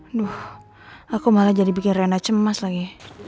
aduh aku malah jadi bikin rendah cemas lagi